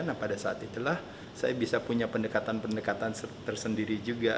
nah pada saat itulah saya bisa punya pendekatan pendekatan tersendiri juga